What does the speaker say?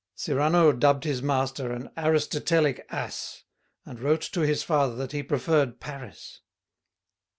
Cyrano dubbed his master an "Aristotelic Ass," and wrote to his father that he preferred Paris.